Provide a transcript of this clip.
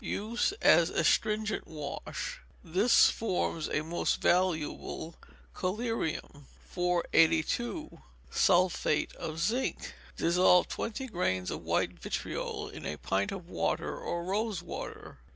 Use as astringent wash; this forms a most valuable collyrium. 482. Sulphate of Zinc. Dissolve twenty grains of white vitriol in a pint of water or rose water.